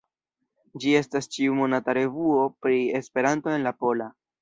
Ĝi estas ĉiu-monata revuo pri Esperanto en la pola.